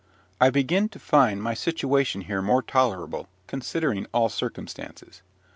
I begin to find my situation here more tolerable, considering all circumstances.